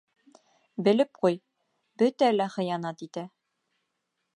Белеп ҡуй: бөтәһе лә хыянат итә.